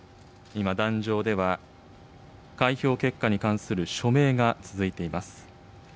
今、壇上では、開票結果に関する署名が続いています。